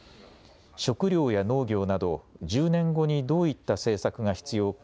食料や農業など１０年後にどういった政策が必要か